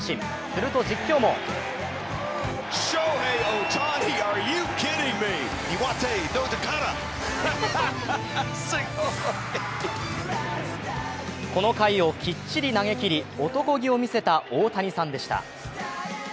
すると実況もこの回をきっちり投げきり男気を見せた大谷さんでした。